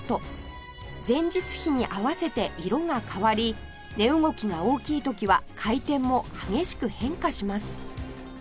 前日比に合わせて色が変わり値動きが大きい時は回転も激しく変化します